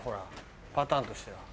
パターンとしては。